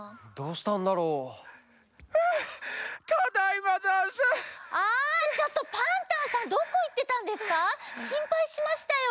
しんぱいしましたよ。